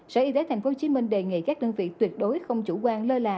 sở y tế tp hcm đề nghị các đơn vị tuyệt đối không chủ quan lơ là